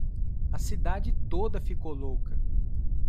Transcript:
A cidade toda ficou louca.